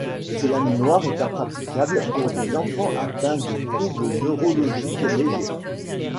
Ce laminoir est impraticable pour des enfants atteints de troubles neurologiques légers.